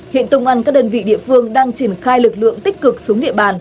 hiện công an các đơn vị địa phương đang triển khai lực lượng tích cực xuống địa bàn